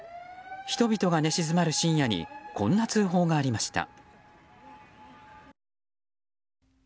人々が寝静まる深夜にこんな通報がありました。